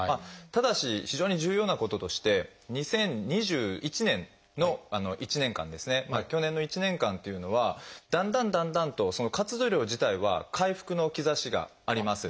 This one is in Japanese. ただし非常に重要なこととして２０２１年の１年間ですね去年の１年間っていうのはだんだんだんだんと活動量自体は回復の兆しがあります。